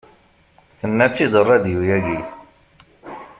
Tenna-tt-id rradyu-agi.